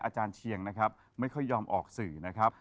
อาจารย์เชียงนะครับไม่ค่อยยอมออกสื่อนะครับ